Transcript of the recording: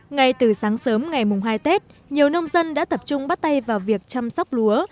ngay từ sáng sớm ngày mùng hai tết nhiều nông dân đã tập trung bắt tay vào việc chăm sóc lúa